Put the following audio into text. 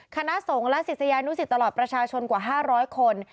คณะสงฆ์และศิษยานุสิตตลอดประชาชนกว่า๕๐๐คน